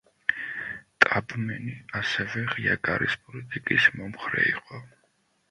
ტაბმენი ასევე „ღია კარის პოლიტიკის“ მომხრე იყო.